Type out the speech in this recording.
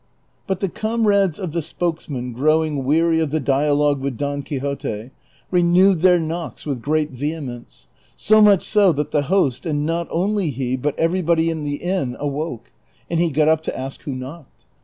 But the comrades of the spokesman growing weary of the dialogue with Don Quixote, renewed their knocks with great vehemence, so much so that the host, and not only he but everybody in the inn, awoke, and he got up to ask who knocked.